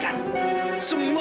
gue akan pergi